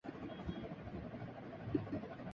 ہمارے گھر تو شادی کے بعد سے ہی کبھی نہیں بنی